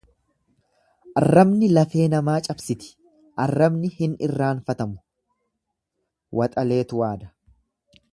Arrabni lafee namaa cabsiti, arrabni hin irraanfatamu waxaleetu waada.